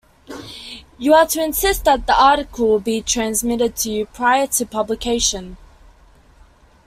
You are to insist that the article be transmitted to you prior to publication.